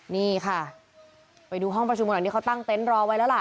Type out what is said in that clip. นี่ค่ะไปดูห้องประชุมกันหน่อยที่เขาตั้งเต็นต์รอไว้แล้วล่ะ